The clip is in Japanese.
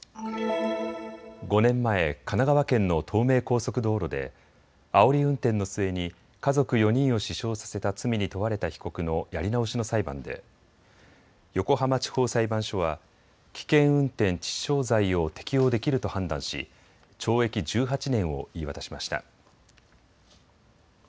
５年前、神奈川県の東名高速道路であおり運転の末に家族４人を死傷させた罪に問われた被告のやり直しの裁判で横浜地方裁判所は危険運転致死傷罪を適用できると判断し懲役１８年を言い渡しました。